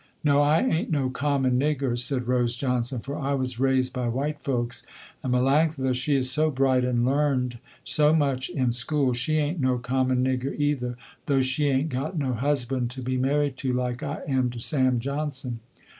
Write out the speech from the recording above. "No, I ain't no common nigger," said Rose Johnson, "for I was raised by white folks, and Melanctha she is so bright and learned so much in school, she ain't no common nigger either, though she ain't got no husband to be married to like I am to Sam Johnson."